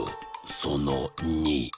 その２。